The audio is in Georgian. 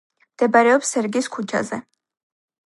მდებარეობს სერგის ქუჩაზე.